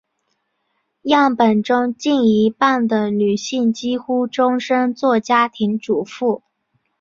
样本中近一半的女性几乎终生做家庭主妇。